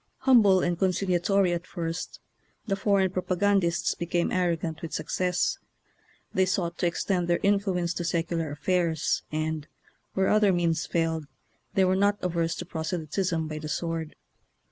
Humble and conciliatory at first, the for eign propagandists became arrogant with success. They sought to extend their in fluence to secular affairs, and, where oth er means failed, they were not averse to proselytism by the sword.